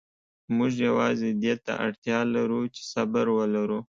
موږ یوازې دې ته اړتیا لرو چې صبر ولرو.